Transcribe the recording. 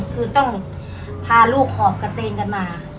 คือต้องพาลูกหอบกระเตงกันมา